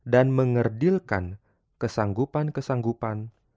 dan mengerdilkan kesanggupan kesanggupan